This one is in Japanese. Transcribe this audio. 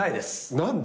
何で？